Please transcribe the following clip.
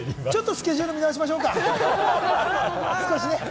スケジュール見直しましょうかね、少しね。